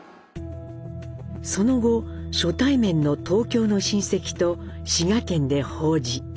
その後初対面の東京の親戚と滋賀県で法事。